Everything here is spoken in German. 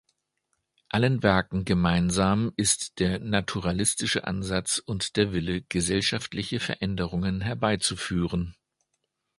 Allen Werken gemeinsam ist der naturalistische Ansatz und der Wille, gesellschaftliche Veränderungen herbeizuführen.